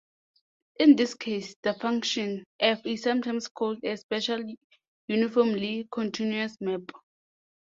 In this case, the function "f" is sometimes called a "special uniformly continuous" map.